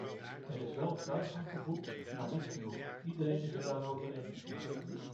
Er is wel vooruitgang geboekt, maar niet genoeg - iedereen is het daarover eens.